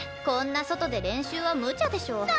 こんな外で練習はむちゃでしょ。